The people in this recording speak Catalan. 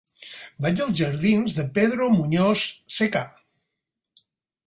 Vaig als jardins de Pedro Muñoz Seca.